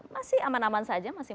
masih aman aman saja